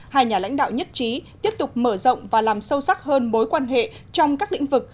hai nhà lãnh đạo nhất trí tiếp tục mở rộng và làm sâu sắc hơn mối quan hệ trong các lĩnh vực